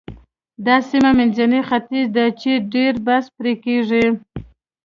دا سیمه منځنی ختیځ دی چې ډېر بحث پرې کېږي.